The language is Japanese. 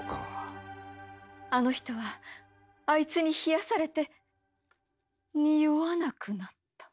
あの人はあいつに冷やされて臭わなくなった。